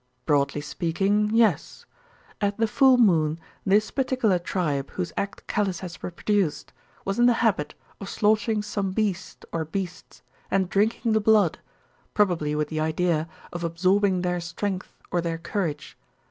"Broadly speaking, yes. At the full moon this particular tribe, whose act Callice has reproduced, was in the habit of slaughtering some beast, or beasts, and drinking the blood, probably with the idea of absorbing their strength or their courage.